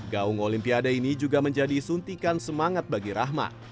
gaung olimpiade ini juga menjadi suntikan semangat bagi rahmat